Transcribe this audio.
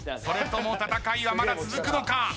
それとも戦いはまだ続くのか？